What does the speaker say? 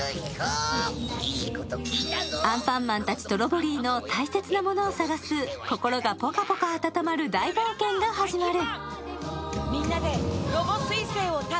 アンパンマンたちとロボリィの大切なものを探す心がぽかぽか温まる大冒険が始まる。